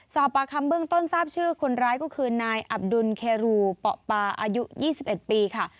สอบปากคำเบื้องต้นทราบชื่อคนร้ายก็คือนายอับดุลเครูปะปาอายุ๒๑ปีค่ะ